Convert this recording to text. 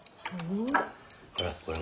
ほらほら。